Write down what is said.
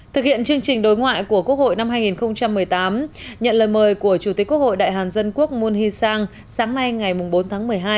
thực hiện chương trình đối ngoại của quốc hội năm hai nghìn một mươi tám nhận lời mời của chủ tịch quốc hội đại hàn dân quốc moon hee sang sáng nay ngày bốn tháng một mươi hai